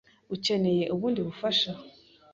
Ukeneye ubundi bufasha?